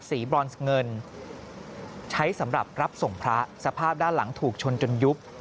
บรอนซ์เงินใช้สำหรับรับส่งพระสภาพด้านหลังถูกชนจนยุบ